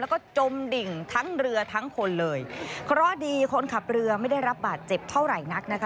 แล้วก็จมดิ่งทั้งเรือทั้งคนเลยเพราะดีคนขับเรือไม่ได้รับบาดเจ็บเท่าไหร่นักนะคะ